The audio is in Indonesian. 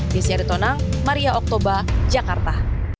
desyari tonang maria oktober jakarta